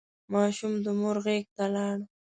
ماشوم د مور غېږ ته لاړ.